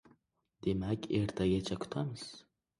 Demak, ertagacha kutamiz...